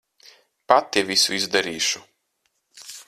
Pati visu izdarīšu.